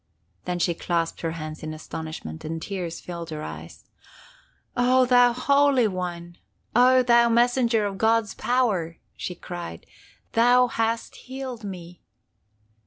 Then she clasped her hands in astonishment, and tears filled her eyes. 'Oh, thou Holy One! Oh, thou Messenger of God's power!' she cried. Thou hast healed me!